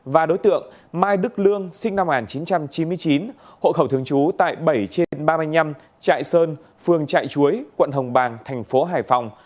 và đối tượng mai đức lương sinh năm một nghìn chín trăm chín mươi chín hộ khẩu thường trú tại bảy trên ba mươi năm trại sơn phường trại chuối quận hồng bàng thành phố hải phòng